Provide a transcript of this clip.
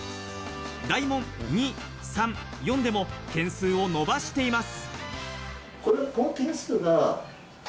大問２、３、４でも点数を伸ばしています。